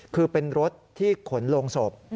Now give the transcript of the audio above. คือเป็นรถที่ขนโรงศพ